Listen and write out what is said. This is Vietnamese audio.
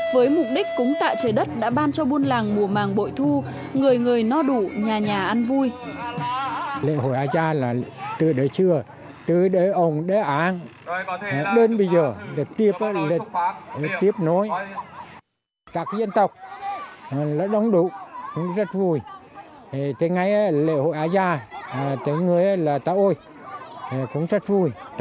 với mục đích cúng tạ chế đất đã ban cho buôn làng mùa màng bội thu người người no đủ nhà nhà ăn vui